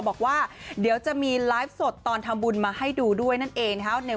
บอกว่าเดี๋ยวจะมีไลฟ์สดตอนทำบุญมาให้ดูด้วยนั่นเองนะครับ